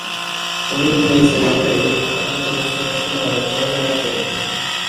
ومنهم من يستمعون إليك أفأنت تسمع الصم ولو كانوا لا يعقلون